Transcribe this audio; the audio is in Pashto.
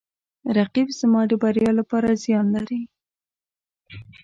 رقیب زما د بریا لپاره زیان لري